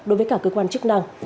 đối với cả cơ quan chức năng